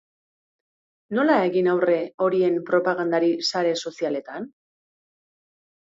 Nola egin aurre horien propagandari sare sozialetan?